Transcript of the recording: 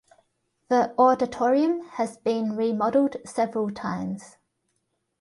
The auditorium has been remodeled several times.